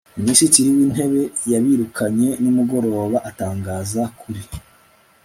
minisitiri w'intebe yabirukanye nimugoroba, atangaza kuri